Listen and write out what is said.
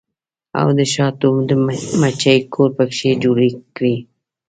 او د شاتو مچۍ کور پکښې جوړ کړي